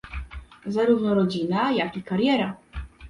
zarówno rodzina jak i kariera